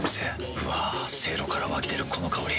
うわせいろから湧き出るこの香り。